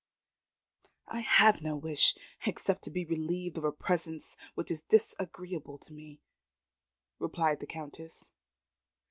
"I have no wish, except to be relieved of a presence which is disagreeable to me," replied the Countess.